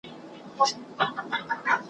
پکښی شخول به وو همېش د بلبلانو`